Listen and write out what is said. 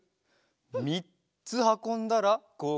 みっつはこんだらごう